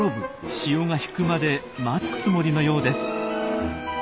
潮が引くまで待つつもりのようです。